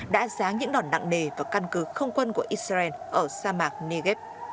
đã dáng những đòn nặng nề vào căn cứ không quân của israel ở sa mạc negev